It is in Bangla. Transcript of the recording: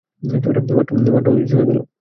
মাত্র অদৃশ্য হয়ে গেল।